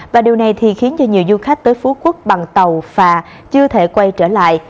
và điều này thì khiến cho nhiều du khách tới phú quốc bằng tàu phà chưa thể quay trở lại